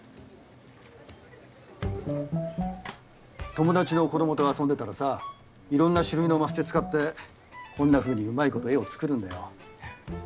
友達の子供と遊んでたらさいろんな種類のマステ使ってこんなふうにうまいこと絵を作るんだよ。